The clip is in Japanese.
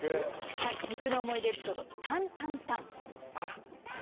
はい「肉」の思い出エピソード「タン・タン・タン」。